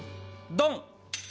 ドン！